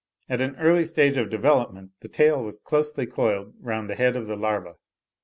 At an early stage of development the tail was closely coiled round the head of the larva.)